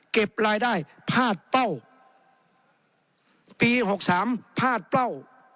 เก็บรายได้พลาดเป้าปี๖๓พลาดเป้า